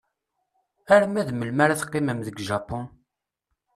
Arma d melmi ara teqqimem deg Japun?